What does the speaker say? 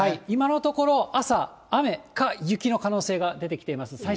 今のところ、朝、雨か雪の可能性が出てきています。